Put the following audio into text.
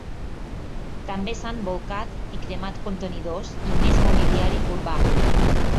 També s’han bolcat i cremat contenidors i més mobiliari urbà.